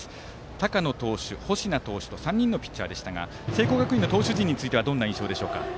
高野投手、星名投手と３人のピッチャーでしたが聖光学院の投手陣についてはどういう印象でしょうか。